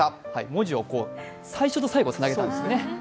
文字を最初と最後、つなげたんですね。